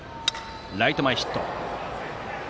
ライト前ヒット。